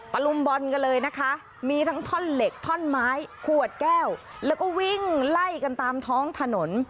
ลุมบอลกันเลยนะคะมีทั้งท่อนเหล็กท่อนไม้ขวดแก้วแล้วก็วิ่งไล่กันตามท้องถนน